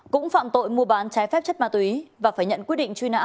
cũng phạm tội mua bán trái phép chất ma túy và phải nhận quyết định truy nã